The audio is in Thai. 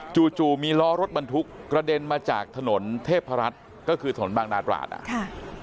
จู่มีล้อรถบรรทุกกระเด็นมาจากถนนเทพรัฐก็คือถนนบางนาตราดอ่ะค่ะ